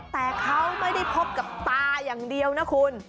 แต่เขาไม่ได้พบกับตาอย่างเดียวนะคุณ